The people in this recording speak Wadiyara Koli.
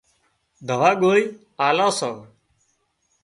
دوا ڳوۯِي آلان سان